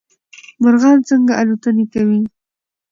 مارغان څنګه الوتنې کوی